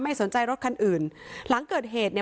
สนใจรถคันอื่นหลังเกิดเหตุเนี่ย